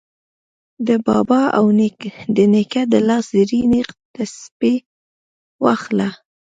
د بابا او د نیکه د لاس زرینې تسپې واخله